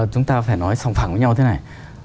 chúng ta phải nói sòng phẳng với nhau thế này